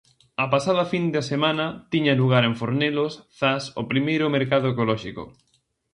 A pasada fin de semana tiña lugar en Fornelos, Zas, o primeiro mercado ecolóxico.